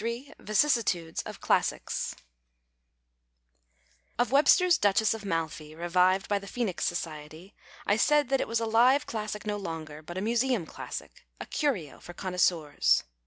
177 VICISSITUDES OF CLASSICS Of Webster's Dtichess of Malfi, revived by the Phoenix Society, I said that it was a hve classic no longer, but a museum classic, a curio for connois seurs.